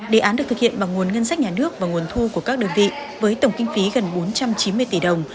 đề án được thực hiện bằng nguồn ngân sách nhà nước và nguồn thu của các đơn vị với tổng kinh phí gần bốn trăm chín mươi tỷ đồng